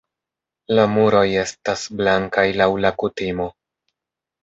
La muroj estas blankaj laŭ la kutimo.